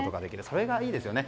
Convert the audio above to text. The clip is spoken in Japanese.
それがいいですよね。